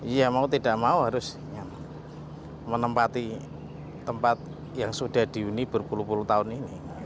ya mau tidak mau harus menempati tempat yang sudah dihuni berpuluh puluh tahun ini